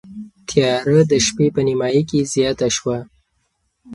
تیاره د شپې په نیمايي کې زیاته شوه.